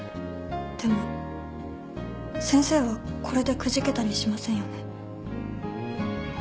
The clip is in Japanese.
でも先生はこれでくじけたりしませんよね